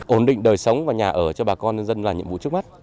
ổn định đời sống và nhà ở cho bà con nhân dân là nhiệm vụ trước mắt